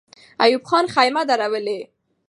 ایوب خان خېمې درولې.